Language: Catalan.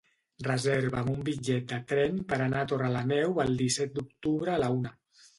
Reserva'm un bitllet de tren per anar a Torrelameu el disset d'octubre a la una.